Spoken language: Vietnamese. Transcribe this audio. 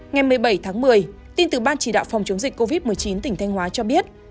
ngày một mươi bảy tháng một mươi tin từ ban chỉ đạo phòng chống dịch covid một mươi chín tỉnh thanh hóa cho biết